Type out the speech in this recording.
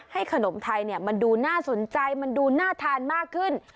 ขนมไทยมันดูน่าสนใจมันดูน่าทานมากขึ้น